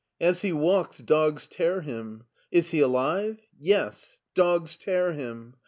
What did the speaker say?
As he walks, dogs tear him. Is he alive? Yes! Dogs tear him.